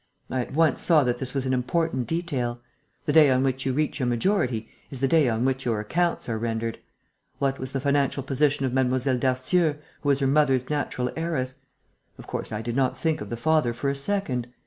I at once saw that this was an important detail. The day on which you reach your majority is the day on which your accounts are rendered. What was the financial position of Mlle. Darcieux, who was her mother's natural heiress? Of course, I did not think of the father for a second.